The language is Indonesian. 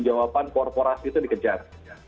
jawaban korporasi itu dikejar